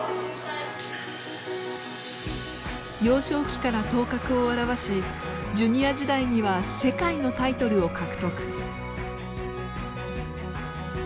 幼少期から頭角を現しジュニア時代には世界のタイトルを獲得。